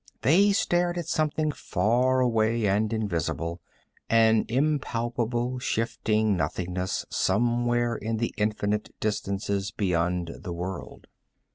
They stared at something far away and invisible, an impalpable shifting nothingness somewhere in the infinite distances beyond the world.